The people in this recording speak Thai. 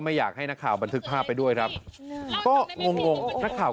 เดินทางมาจากไม่ต้องหรือคะได้ครับพี่ขอโทษเขาไม่ค่อยอาย